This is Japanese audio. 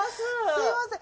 すみません